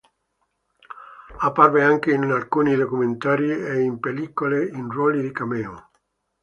Apparve anche in alcuni documentari e in pellicole in ruoli di cameo.